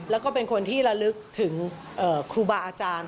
แล้วก็เป็นคนที่ระลึกถึงครูบาอาจารย์